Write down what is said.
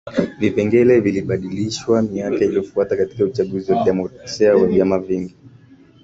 Vipengele vilibadilishwa miaka iliyofuata katika uchaguzi wa kidemokrasia wa vyama vingi